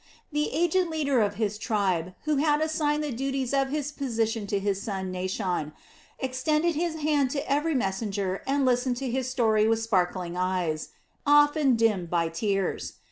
The aged leader of his tribe, who had assigned the duties of his position to his son Naashon, extended his hand to every messenger and listened to his story with sparkling eyes, often dimmed by tears.